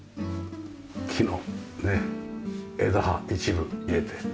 木の枝葉一部入れて。